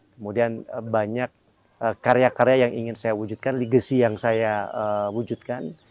kemudian banyak karya karya yang ingin saya wujudkan legacy yang saya wujudkan